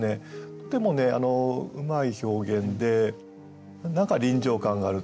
とてもうまい表現で何か臨場感があるっていうかね